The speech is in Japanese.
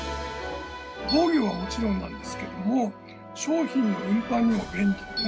防御はもちろんなんですけども商品の運搬にも便利でね。